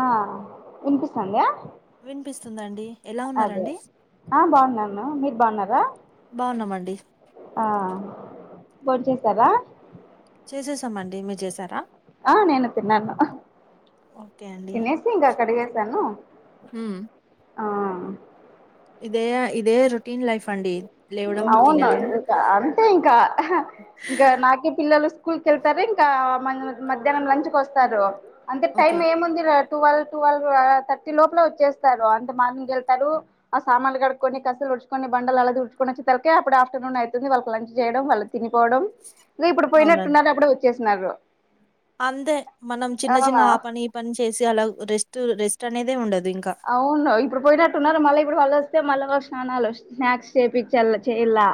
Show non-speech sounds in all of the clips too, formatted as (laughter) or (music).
ఆ వినిపిస్తందా వినిపిస్తుందండి ఎలా ఉన్నారండి ఆ బాగున్నాను మీరు బాగున్నారా బావున్నామండీ ఆ భోంచేసారా చేసేసామండి మీరు చేసారా ఆ నేను తిన్నా అన్నాను ఓకే అండి తినేసి ఇంగా కడిగేసాను హ్మ్ ఆ ఇదే ఇదే రొటీన్ లైఫ్ అండి లేవడం అవును తినడం ఇంకా అంతే ఇంకా ఇంకా నాకే పిల్లలు స్కూల్కి వెళ్తారు ఇంకా మ మధ్యాహ్నం లంచ్ కి వస్తారు అంటే ఓకే టైమ్ ఏముంది రా టువెల్ టువెల్వ్ థర్టీ లోపల వచ్చేస్తారు అంత మార్నింగ్ ఏళ్తారు ఆ సామాన్లు కడుక్కొని కసులు ఊడ్చుకొని బండలు అలా తుడు తుడుచుకొని వచ్చే సరికే అప్పుడే ఆఫ్టర్నూన్ అయితుంది వాళ్ళ లంచ్ చేయడం వాళ్ళు తిని పోవడం ఇప్పుడు పోయినట్టున్న అవునండి ఉన్నారు అప్పుడే చేసినారు అంతే మనం చిన్న చిన్న ఆ పని ఈ పని చేసి అలా రెస్ట్ రెస్ట్ అనేదే ఉండదు ఇంకా అవును ఇప్పుడు పోయినట్టున్నారు మళ్ళ ఇప్పుడు వాళ్లు వస్తే మళ్ళా వాళ్ల స్నానాలు స్నాక్స్ చేపిచ్చల్ల చేయాల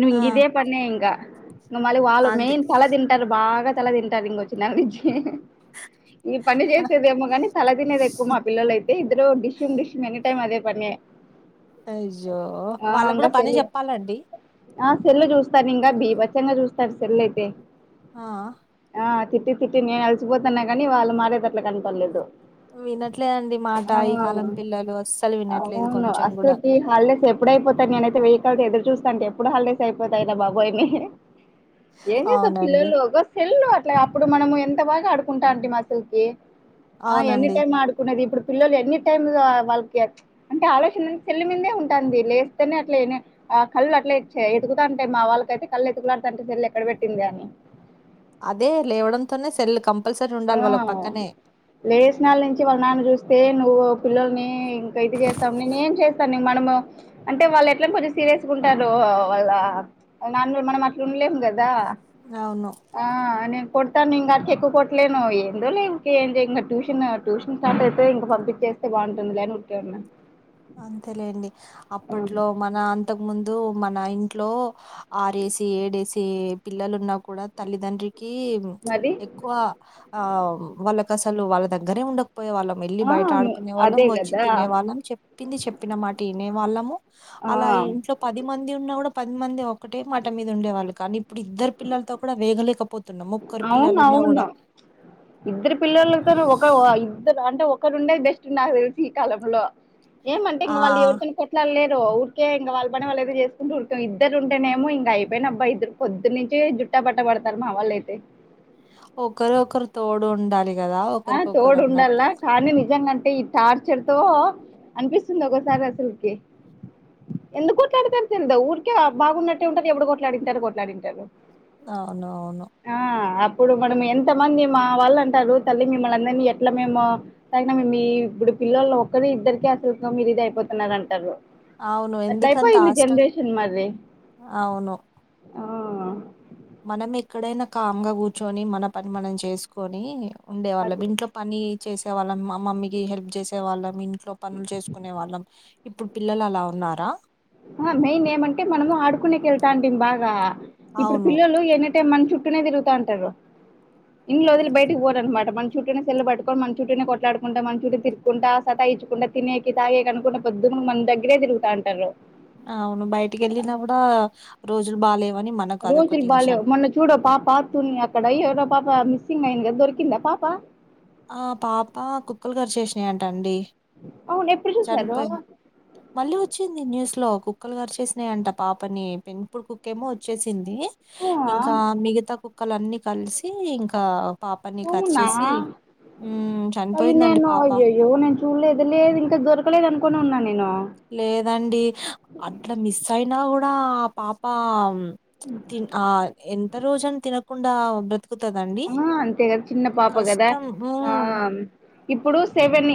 ఇం ఆ ఇదే పన్నే ఇంగ మళ్ళి వాళ్ళు అంతే మెయిన్ తలదిన్ తింటారు బాగా తల తింటారు ఇంగ వచ్చినాల నుంచి ఈ పని చేసేదేమో కాని తల తినేది ఎక్కువ మా పిల్లల అయితే ఇద్దరు డిష్యుం డిశుం సేమ్ అదే పనే అయ్యో ఆ వాళ్ళ ఇంగ కూడా పని సెల్ చెప్పాలండి ఆ సెల్ చూస్తారు ఇంకా బీవచ్చంగా చూస్తారు సెల్ అయితే ఆ ఆ తిట్టి తిట్టి నేను అలిసిపోతున్నా కాని వాళ్ళు మారేతట్ల కనపడలేదు వినట్లేదండి మాట ఆ ఈ కాలం పిల్లలు అస్సలు వినట్లేదు అవును కొంచెం కూడా అసలుకి హాలిడేస్ ఎప్పుడు అయిపోతాయి నేనైతే వెయ్యి కళ్ళతో ఎదురు చూస్తాంట ఎప్పుడు హాలిడేస్ అయిపోతాయి రా బాబోయ్ ఆని ఏం చేస్తావ్ అవునండి పిల్లలు ఒగోస్స్ సెల్లు అట్లా అప్పుడు మనం ఎంత బాగా ఆడుకుంటాంటిమి అసల్కి ఆ ఎనీ అవునండి టైం ఆడు కున్నది ఇప్పుడు పిల్లలు ఎనీ టైమ్ వాళ్ళకి అంటె ఆలోచనన్ సెల్లి మీదే ఉంటాంది లేస్తేనే అట్లేనే ఆ కళ్ళు అట్లే చే వెతుకుతా ఉంటాయి మా వాళ్ళకైతే కళ్ళు ఎతుకులాడతంటయ్ సెల్ ఎక్కడ పెట్టింద అని అదే లేవడంతోనే సెల్ కం ఆ లేషనల్ నుంచి వాళ్ళ నాన్న చూస్తే నువ్వు పిల్లల్ని ఇంక ఇది చేస్తావ్ నేను ఏం చేస్తాను మనము అంటే వాళ్ళు ఎట్లైనా కొంచెం సీరియస్ గా ఉంటారు వాళ్ళ వల్ల నాన్నలు మనం అట్ల ఉండలేం కదా అవును ఆ నీ కొడతానింగ ఆడికి ఎక్కువ కొ ట్లేను ఏందోలె ఇంగ ట్యూషన్ ట్యూషన్ స్టార్ట్ అయితే ఇంక పంపించేస్తే బాగుంటుంది లే అని ఉరికె ఉన్న అ అంతేలేండి అప్పట్లో మన అంతక ముందు మన ఇంట్లో ఆర్ వేసి ఏడేసి పిల్లలున్నా కూడా తల్లిదండ్రికి మది క్కువ ఆ వాళ్ళకు అసలు వాళ్ళ దగ్గరే ఉండకపోయే వాళ్ళం మెల్లి ఆ బయట ఆడుకునే వాళ్ళం అదే వచ్చి కదా తినే వాళ్ళం చెప్ ప్పింది చెప్పినమాట ఇనే వాళ్ళము అలా ఆ ఇంట్లో పది మంది ఉన్నా కూడా పది మందే ఒ ఒకటే మాట మీద ఉండేవాళ్ళు కానీ ఇప్పుడు ఇద్దరు పిల్లలతో కూడా వేగలేకపోతున్నాం ముక్కర్ పిల్లలు ఉన్నా అవునవును కూడా ఇద్దరు పిల్లలతోను ఒక ఓవా ఇద్దరు అంటే ఒకరు ఉండేది బెస్ట్ నాకు తెలిసి ఈ కాలంలో ఏమంటే ఇంగ వాళ్ళు ఆ ఎవరితోన్ కొ ఇట్ల లేరు ఊరికే ఇంగా వాళ్ళ పని వాళ్ళ ఏదో చేసుకుంటు ఊరికే ఇద్దరు ఉంటేనేమో ఇంగ అయిపోయినబ్బా ఇద్దరు పొద్దు నించి జుట్టా పట్టబడతారు మా వాళ్ళు అయితే ఒకరే ఒకరు తోడ్ ఉండాలి కదా ఆ ఒకరికొకరు తోడు అన్నట్టు ఉండాలా కానీ నిజంగాంటే ఇ టార్చర్ తో అనిపిస్తుంది ఒగోసారి అసల్కి ఎందుకు కొట్లాడతారు తెల్దు ఊరికే బాగున్నట్టే ఉంటారు ఎప్పుడు కొట్లాడింటారు కొట్లాడింటారు అవును అవును ఆ అప్పుడు మనం ఎంత మంది మా వాళ్ళ అంటారు తల్లి మిమ్మల్ని అందరిని ఎట్లా మేము అయినా మి మీ ఇబ్బుడు పిల్లొల్లు ఒక్కరు ఇద్దరికే అసలకు మీరు ఇదయిపోతున్నారు అంటారు అవును ఎందుకంత అట్లయిపోయింది ఆష్టం జెనరేషన్ మరి అవును ఆ మనం ఎక్కడైనా కామ్ గా కూర్చొని మన పని మనం చేసుకొని ఉండే వాళ్ళం అది ఇంట్లో పని చేసే వాళ్ళం మ మమ్మీకి హెల్ప్ చేసే వాళ్ళం ఇంట్లో పనులు చేసుకునే వాళ్ళం ఇప్పుడు పిల్లలు అలా ఉన్నార అహ మెయిన్ ఏమంటే మనము ఆడుకునేకి ఎల్తాంటిమి బాగ ఇప్పుడు అవును పిల్లలు ఏనే టే మన చుట్టూనే తిరుగుతాంటారు ఇండ్లు వదిలి బయటకి పోరనమాట. మన చుట్టు నే సెల్లు పట్టుకొని, మన చుట్టూనే కొట్లాడుకుంటా, మన చుట్టూ తి కుంట సతాయించకుంట తినేకి తాగేకి అనుకుంట పొద్దుమునుగు మన దగ్గరే తిరుగుతాంటారు. అవును బయటికి ఎళ్ళినా కూడ రోజులు బాలేవని మ రోజులు బాలేవ్ మొన్న చూడు పాప తునీ అక్కడ ఎవరో పాప మిస్సింగ్ అయింది కదా దొరికిందా పాప? ఆ పాప కుక్కలు కరిచేసినాయంట అండి అవును ఎప్పుడు చూసారు చనిపోయిం మళ్ళీ వచ్చింది న్యూస్ లో కుక్కలు కరిచేసినాయంట పాపని, పెంపుడు కుక్కేమో వచ్చేసింది అవునా ఇంకా మిగతా కుక్కలన్ని కలిసి ఇంక పాపని అవునా కరిచేసి హ్మ్. అయ్యో చనిపోయిందండి నేను పాప. అయ్యయ్యో నేన్ చూడలేదు లేదు ఇంకా దొరకలేదు అనుకోనే ఉన్న నేను లేదండి అట్ల మిస్ అయినా కూడా ఆ పాప మ్ ఇంక్ ఆ ఎంత రోజని తినకుండా ఉండద్ ఎకుతదండి ఆ అంతే కదా చిన్న పాప కదా హ్మ్. ఆమ్ ఇప్పుడు సెవెన్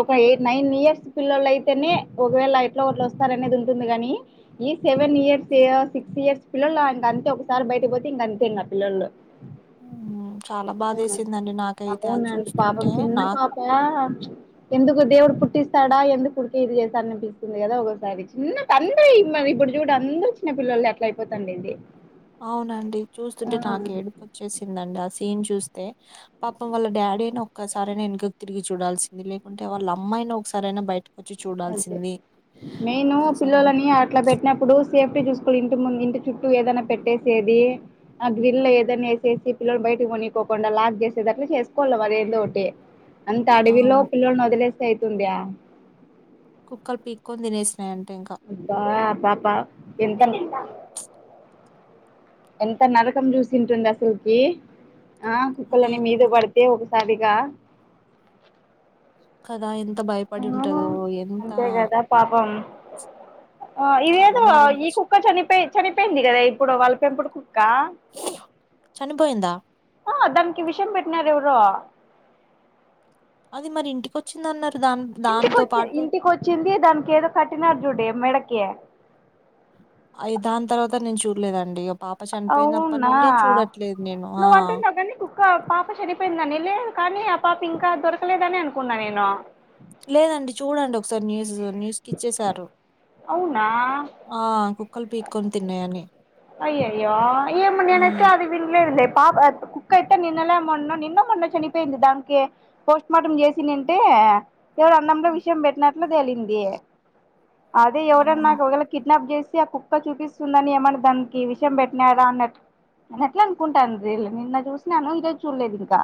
ఒక ఎయిట్ నైన్ ఇయర్స్ పిల్లొల్లు అయితేనే ఒకవేళ ఎట్లో ఒగట్ల వస్తారనేది ఉంటుంది గాని ఈ సెవెన్ ఇయర్స్, సిక్స్ ఇయర్స్ పిల్లోల్లు ఇంక అంతే ఒకసారి బయటపోతే ఇంక అంతే ఆ పిల్లోల్లు మ్ చాలా బాధేసిందండి నాకైతే అది చూస్తుంటే నా యా ఎందుకు దేవుడు పుట్టిస్తాడా ఎందుకు ఊరికే ఇది చేస్తాడ అనిపిస్తుంది కదా ఒగోసారి చిన్న తండ్రి ఈమ్మది ఇబ్బుడు చూడు అందరు చిన్న పిల్లొల్లే అట్ల అయిపోతాన్నింది అవునండి చూస్తుంటే నాకు ఏడుపు వచ్చేసిందండి ఆ సీన్ చూస్తే పాపం వాళ్ల డాడి ను ఒక్కసారైనా వెనకకి తిరిగి చూడాల్సింది లేకుంటే వాళ్ళ అమ్మాయినా ఒకసారైనా బయట అదే నేను అసలు పిల్లొల్లని అట్లా పెట్ చిన్నప్పుడు సేఫ్టీ చూసుకోని ఇంటి ముందు ఇంటి చుట్టూ ఏదైనా పెట్టేసేది ఆ గ్రిల్ ఏదన్న ఏసేసి పిల్లలు బయటకి పోనికోకుండా లాక్ చేసేదట్ల చేసుకోవల్ల వాళ్ళు ఏదో ఒకటి అంత అడవిలో అవును. పిల్లోల్ని వదిలేస్తే అయితుందా? కుక్కలు పీక్కొని తినేసినాయంట ఇంక అబ్బా ఆ పాప ఎంత ఎంత నరకం చూసింటుంది అసలకి ఆ అదే కుక్కలన్నీ మీద కదా! పరి తే ఒగసారిగా కదా ఎంత ఆ భయపడి ఉంటందో ఎంత అంతే కదా పాపం ఆ చాలా ఇదేదో బాధ ఈ అనిపించింది. కుక్క చనిపోయి చనిపోయింది కదా ఇప్పుడు వాళ్ పెంపుడు కు క్క చనిపోయిందా ఆ దానికి విషం పెట్టినారు ఎవరో అది మరి ఇంటికి వచ్చింది అన్నారు గా ఇంటికొచ్చింది. ఇంటికి వచ్చింది దానికి ఏదో కట్టినారు చూడు మెడకి అయి దాని తర్వాత నేను చూడలేదండి. పాప చనిపోయినప్పటి అవునా నుండి చూడట్లేదు నేను ఆ ఇంకా పాప చనిపోయిందని లేదు కానీ ఆ పాప ఇంకా దొరకలేదని అనుకున్నా నేను. లేదండి, చూడండి ఒకసారి న్యూస్. న్యూస్ కిచ్చేసారు. అవునా ఆ కుక్కలు పీక్కొని తిన్నాయని అయ్యయ్యో ఏమో నేనైతే ఉమ్ అది వినలేదు లే పాప కుక్కయితే నిన్నెలా మొన్న నిన్నో, మొన్నో చనిపోయింది దానికే పోస్ట్మార్టం చేసిన్నింటే ఎవరో అన్నంలో విషయం పెట్టినట్లు తేలింది అదే ఎవరన్న అవును దొంగలు ఎత్తుకు కిడ్నాప్ చేసి ఆ కుక్క చూపిస్తుందని ఏమన్నా దానికి విషయం పెట్టినారా అన్నట్టు ఎట్లా అనుకుంటాను రీల్ నిన్ను చూసినాను ఇంకా చూడలేదు ఇంకా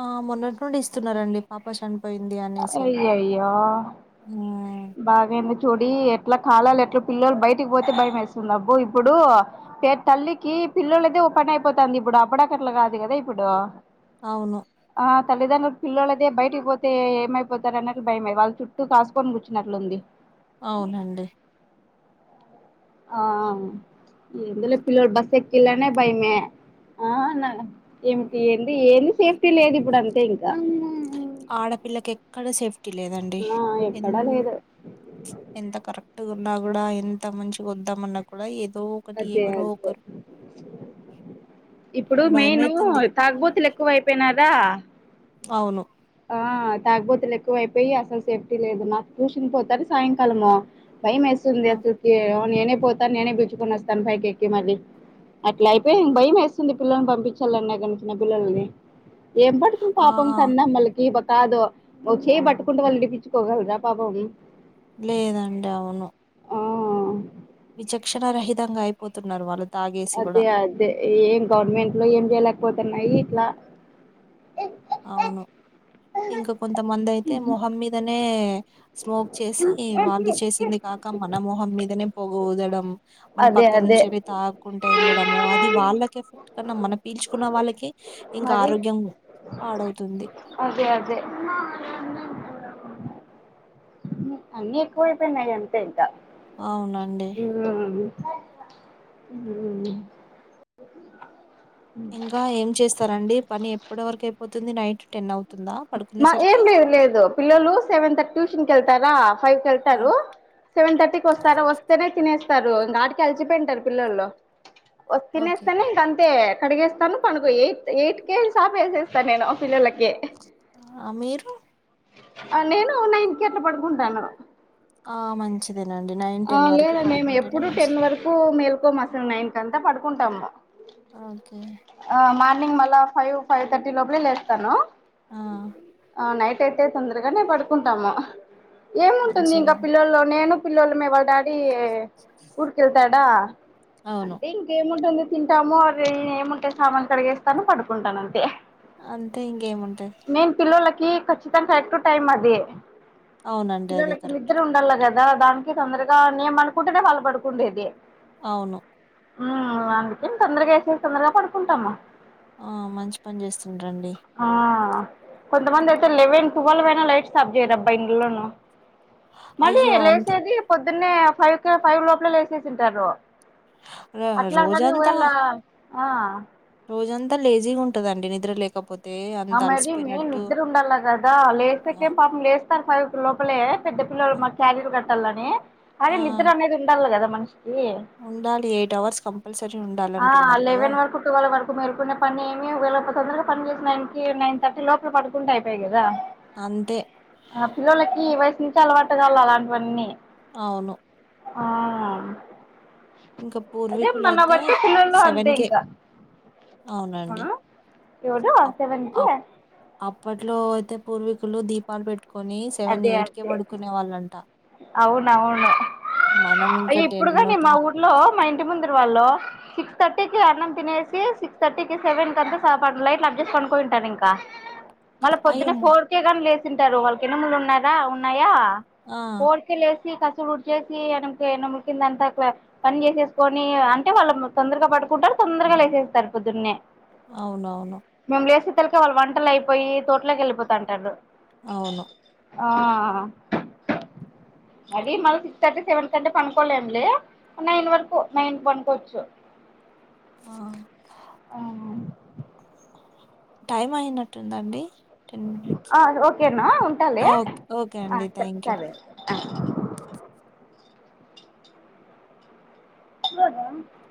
ఆ మొన్నటి నుండి ఇస్తున్నారండి. పాప చనిపోయింది అనేసి అయ్యయ్యో ఆ బాగైంది చూడి, ఎట్లా కాలాలు ఎట్లా పిల్లలు బయటికి పోతే భయం అయితుంది. అబ్బో ఇప్పుడు పేరు తల్లికి పిల్లొల్లదే ఓ పని అయిపోతాంది ఇప్పుడు అప్పుడాకట్లా కాదు కదా ఇప్పుడు అవును ఆ, తల్లిండ్రులకు పిల్లలు అదే బయటికి పోతే ఏమైపోతారు అన్నది భయమే వాళ్ళు చుట్టూ కాసుకొని కూర్చు నట్లుంది అవునండి ఆ ఆ ఎందలో పిల్లలను బస్ ఎక్కియాలన్నా భయమే. ఆ అవును, ఏమిటి ఎంది ఏం సేఫ్టీ లేదు ఇప్పుడు అంతే ఇంక ఆడపిల్లకి ఎక్కడ సేఫ్టీ లేదండి. ఆ ఎ ఎక్కడా లేదు ఎంత కరెక్ట్ గా ఉన్నా కూడా ఎంత మంచి ఉందామన్నా కూడా ఏదో ఒకటి అదే ఎవరో అదే ఒకరు ఇప్పుడు మెయిను భయమైతుంది తాగబోతు లెక్క ఎక్కువై పోయినారా? అవును ఆ తాగుబోతులు ఎక్కువ అయిపోయి అసలు సేఫ్టీ లేదు నాకు ట్యూషన్ పోతారు సాయంకాలము. భయం అయితుంది. ఆ అసలకి నేనే పోతాను నేనే పిలుచుకొని వస్తాను పైకి ఎక్కి మళ్ళీ అట్లా అయిపోయింది భయం అయితుంది. పిల్లల్ని పంపించాలన్న గాని పిల్లలని ఏం పడుతుంది ఆ పాపం కన్నమ్మలకి ఈప్ప కాదు ఓ చేయి పట్టుకుంటే వాళ్ళు విడిపించుకోగలరా పాపము ని లేదండి అవును ఆ విచక్షణా రహితంగా అయిపోతున్నారు వాళ్ళు. తాగేసి కూడా అదే అదే ఏ గవర్నమెంట్ లు ఏం చేయలేకపోతున్నాయి ఇట్లా అవును ఇంక కొంతమంది అయితే మొహం మీదనే స్మోక్ చేసి, వాళ్ళు చేసింది కాక మన మొహం మీదనే పొగూదడం మన అదే పక్కన అదే నుంచి ఏవి తా కుంటే వెళ్ళడము అది వాళ్ళకి ఎఫెక్ట్ కన్నా మనం పీల్చుకున్న వాళ్ళకి ఇంకా మరి ఆరోగ్యం పాడవుతుంది. అదే అదే అన్నీ ఎకువైపోయినాయి అంతే ఇంక అవునండి ఇంగా ఆది మ్ ఇంగా ఏం చేస్తారండి పని ఎప్పటి వరకు అయిపోతుంది నైట్ టెన్ అవుతు మా ఏం లేదు లేదు పిల్లలు సెవెన్ తట్యూషన్ కెళ్తారా ఫైవ్ ఆ, కెళ్తారు సెవెన్ తర్టీకి వస్తారా వస్తేనే తినేస్ స్తరు ఇంగ ఆటికే అల్సిపోయింటరు పిల్లోలు వో ఓకే తినేస్తనే ఇంక అంతే కడిగేస్ తను పనుకో ఎయిట్ ఎయిట్ కే చాప్ ఏసేస్తా నేను పిల్లలకి ఆ మీరు అ నేను నైన్ కి అట్లా పడుకుంటాను ఆ మంచిదేనండి నైన్ టెన్ వరకు పడుకుంటేనే మంచిది ప్పు మేల్కో మసన్ నైన్ కన్త పడుకుంటాము ఓకే ఆ మార్నింగ్ మళ్ళా ఫైవ్ ఫైవ్ థర్టీ లోపలే లేస్తాను ఆ ఆ నైట్ అయితే తొందరగానే పడుకుంటాము ఏముంటుంది ఇంకా మంచిదండి పిల్లోలు నేను పిల్లోలమే వాళ్ళ డాడీ ఊరికెళ్తాడా అవును అంటి ఇంకేముంటుంది తింటాము అరీ ఏముంటే సామాన్లు కడిగేస్తాను పడుకుంటాను అంతే అంతే ఇంగేముంటయ్ మేం పిల్లోలకి ఖచ్చితంగా కరెక్ట్ టైం అది అవునండి. అది పిల్లలకి నిద్ర కరెక్ట్. ఉండల్ల కదా దా దానికి తొందరగా నేన్ పనుకుంటేనే వాళ్ళుపడుకుండేది అవును మ్ అందుకే తొందరగా ఏసేసి తొందరగా పడుకుంటాము ఆ మంచి పన్ చేస్తున్రండి ఆ కొంతమంది అయితే లెవెన్ ట్వెల్వ్ అయినా లైట్స్ సబ్జేయరబ్బా ఇండ్లలోనూ మళ్ళీ అయ్యో! అంత లేసేది పొద్దున్నే ఫైవ్ కే ఫైవ్ లోపలే లేసేసింటారు ర అట్లాగనీ రోజంతా ఓయల ఆ రోజంతా లేజీగున్టదండి నిద్ర లేకపో ఆ మేదీ మేన్ నిద్దరున్డాల్ల కదా ఆ! లేసేకేం పాపం లేస్ తర ఫైవ్ కి లోపలే పెద్ద పిల్లోలు మా క్యారిర్ కట్టలని ఆ! అరే నిద్ర అనేది ఉండళ్ల కదా మనిషి ఈ ఉండాలి ఎయిట్ అవర్స్ కంపల్సరీ ఉండాలంటున్నారు కదా టు వల్ వరకు మేల్కొనే పనేమి ఒకవేళ ప తొందరగా పని చేసి నైన్ కే నైన్ థర్టీ లోపల పడుకు కున్టే అయిపయా కదా తంతే ఆ పిల్లోల్లకి ఈ వయసు నుంచి అలవాటు కాళ్ళ అలాంటివన్నీ అవును ఆ ఇంక అదే మన పూర్వీకులయితే బట్టి పిల్లలు సెవెన్ అంతే కేె ఇంకా అవునండి అవును ఎవడు అప్ సెవెన్కి అప్ అప్పట్లో యితే పూర్వీకులు దీపాలు పెట్టు కొని అదే సెవెన్ అదే ఎయిట్కే అంతే పడుకునే వాళ్ళంట అవునవును మనం ఇంకా అయ్యో ఇప్పుడు టెన్ను కానీ మా ఊర్లో మా ఇంటి ముందురు వాళ్ళు సిక్స్ థర్టీ కి అన్నం తినేసి సిక్స్ థర్టీకి సెవెన్ కన్తా సాపట్ లైట్ ఆఫ్ చేసి పనుకొఇంటన్ ఇంకా (inaudible) మళ్ళ పొద్దున్నే అయ్యమ్మ! ఫోర్ కే గాని లేసిన్టారు వాళ్ళ కి ఎనుములున్నారా ఉన్నాయా ఆ! ఫోర్ కే లేసి కసులుడ్చేేసి ఎడంకే ఎనుముల్కిందంతా ఇట్ల పని చేసేసుకొని అంటే వాళ్ళు తొందరగా పడుకుంటారు తొందరగా లేసేస్తారు పొద్దున్నే అవునవును మేము లేసే సరికే వాళ్ళు వంటలు అయిపోయి తోట్లోకి ఎళ్ళిపోతాంటరు అవును ఆ అది మళ్ళ సిక్స్త్ థర్టీ సెవెన్ కంటే పనుకోలేంలే నైన్ వరకు నైన్ కి పన్కో ఒచ్చు ఆ అ ఆ టైం అయినట్టుందండి టెన్ మినేట్స్ ఓకేనా ఉంటాలే ఓ ఓకే అండి థ్యాంక్ యూ సరే (unintelligible)